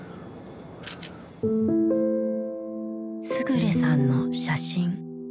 勝さんの写真。